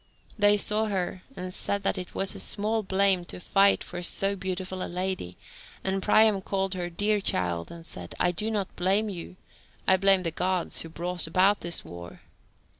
They saw her and said that it was small blame to fight for so beautiful a lady, and Priam called her "dear child," and said, "I do not blame you, I blame the Gods who brought about this war."